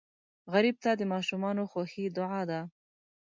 غریب ته د ماشومانو خوښي دعا ده